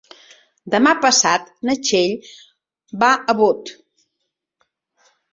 Demà passat na Txell va a Bot.